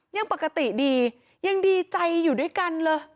ยังปกติดียังดีใจอยู่ด้วยกันเลย